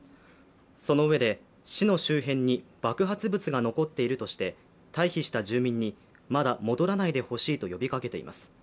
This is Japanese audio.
そのうえで、市の周辺に爆発物が残っているとして退避した住民にまだ戻らないでほしいと呼びかけています。